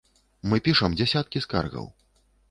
Мы пішам дзясяткі скаргаў.